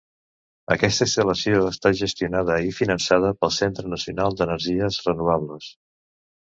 Aquesta instal·lació està gestionada i finançada pel Centre Nacional d'Energies Renovables.